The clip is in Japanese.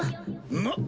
なっ。